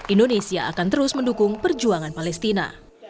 indonesia akan terus mendukung perjuangan palestina